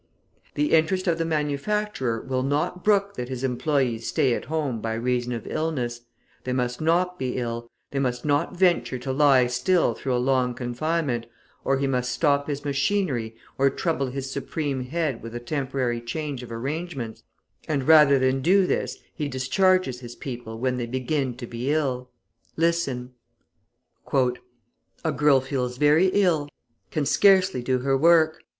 The interest of the manufacturer will not brook that his employees stay at home by reason of illness; they must not be ill, they must not venture to lie still through a long confinement, or he must stop his machinery or trouble his supreme head with a temporary change of arrangements, and rather than do this, he discharges his people when they begin to be ill. Listen: {162a} "A girl feels very ill, can scarcely do her work.